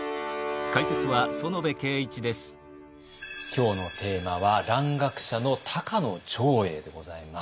今日のテーマは蘭学者の「高野長英」でございます。